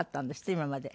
今まで。